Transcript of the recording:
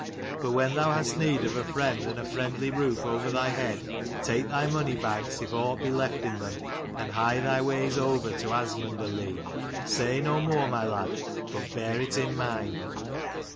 But when thou hast need of a friend and a friendly roof over thy head, take thy money bags, if aught be left in them, and hie thy ways over to Asmundarlea. Say no more, my lad, but bear it in mind.'